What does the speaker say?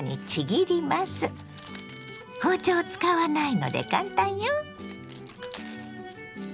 包丁を使わないので簡単よ。